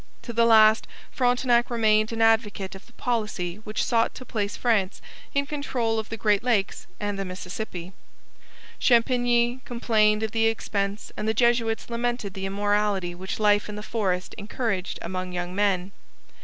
To the last Frontenac remained an advocate of the policy which sought to place France in control of the Great Lakes and the Mississippi. Champigny complained of the expense and the Jesuits lamented the immorality which life in the forest encouraged among young men.